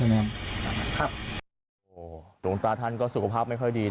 โอ้โหหลวงตาท่านก็สุขภาพไม่ค่อยดี